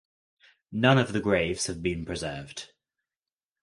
None of the graves have been preserved.